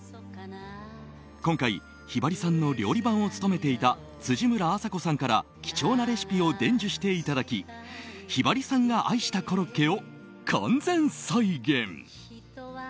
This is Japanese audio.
今回、ひばりさんの料理番を務めていた辻村あさこさんから貴重なレシピを伝授していただきひばりさんが愛したコロッケを完全再現。